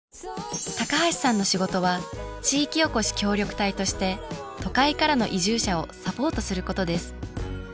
高橋さんの仕事は地域おこし協力隊として都会からの移住者をサポートすることです。